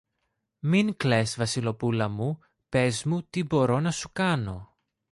Μην κλαις, Βασιλοπούλα μου, πες μου τι μπορώ να σου κάνω!